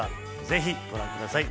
ぜひご覧ください。